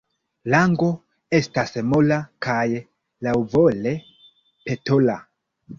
Lango estas mola kaj laŭvole petola.